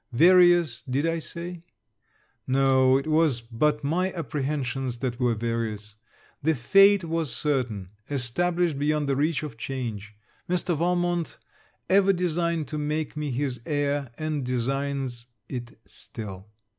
Various, did I say? no, it was but my apprehensions that were various. The fate was certain, established beyond the reach of change. Mr. Valmont ever designed to make me his heir, and designs it still.